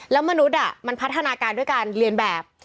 แล้วมนุษย์มันพัฒนาการด้วยการเรียนแบบ